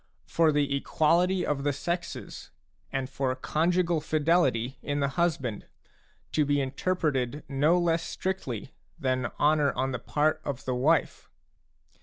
for the equality of the sexes and for conjugal fidelity in the •husband, to be interpreted no less strictly than honour on the part of the wife.